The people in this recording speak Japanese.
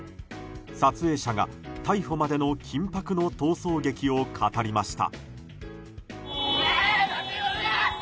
撮影者が逮捕までの緊迫の逃走劇を語りました。